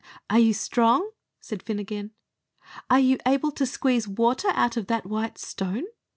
"Are you strong?" said Fin again; "are you able to squeeze water out of that white stone?"